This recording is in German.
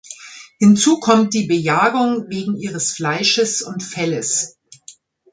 Hinzu kommt die Bejagung wegen ihres Fleisches und Felles.